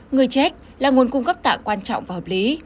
người chết là nguồn cung cấp tạ quan trọng và hợp lý